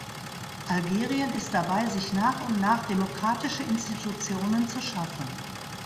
Algerien ist dabei, sich nach und nach demokratische Institutionen zu schaffen.